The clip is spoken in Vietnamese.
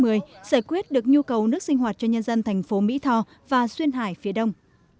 giải quyết được nhu cầu nước sinh hoạt cho nhân dân thành phố mỹ tho và xuyên hải phía đông